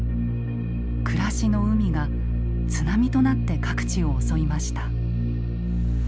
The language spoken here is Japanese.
暮らしの海が津波となって各地を襲いました。